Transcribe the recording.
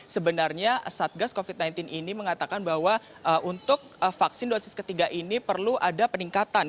sebenarnya satgas covid sembilan belas ini mengatakan bahwa untuk vaksin dosis ketiga ini perlu ada peningkatan